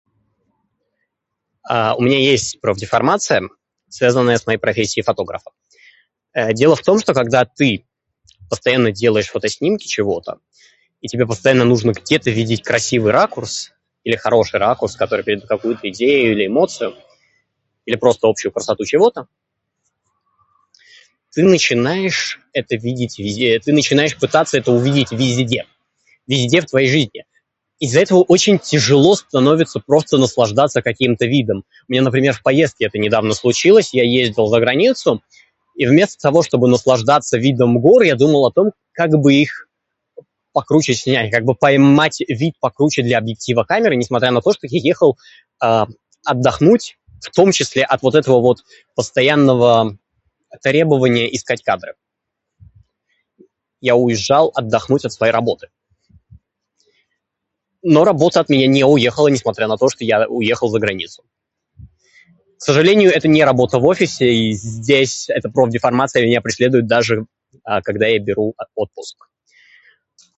[disfluency|А-а], у меня есть профдеформация, связанная с моей профессией фотографа. [disfluency|А], дело в том, что когда ты постоянно делаешь фотоснимки чего-то, и тебе постоянно нужно где-то видеть красивый ракурс или хороший ракурс, который передаёт какую-то идею или эмоцию, или просто общую красоту чего-то, ты начинаешь это видеть вез- ты начинаешь пытаться это увидеть везде. Везде в твоей жизни. Из-за этого очень тяжело становится просто наслаждаться каким-то видом. У меня, например, в поездке это недавно случилось. Я ездил заграницу и вместо того, чтобы наслаждаться видом гор, я думал о том, как бы их покруче снять. Как бы поймать вид покруче для объектива камеры, несмотря на то, что я ехал, [disfluency|а], отдохнуть в том числе от вот этого вот постоянного требования искать кадры. Я уезжал отдохнуть от своей работы. Но работа от меня не уехала несмотря на то, что я уехал заграницу. К сожалению, это не работа в офисе, и здесь эта профдеформация меня преследует даже, [disfluency|а], когда я беру, [disfluency|а], отпуск.